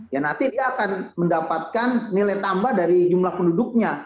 ya nanti dia akan mendapatkan nilai tambah dari jumlah penduduknya